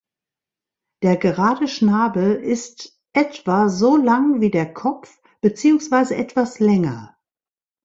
Der gerade Schnabel ist etwa so lang wie der Kopf beziehungsweise etwas länger.